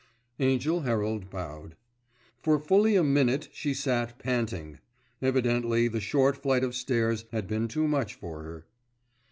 Angell Herald bowed. For fully a minute she sat panting. Evidently the short flight of stairs had been too much for her.